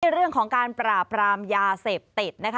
เรื่องของการปราบรามยาเสพติดนะคะ